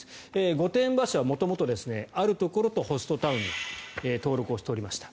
御殿場市は元々、あるところとホストタウン登録をしておりました。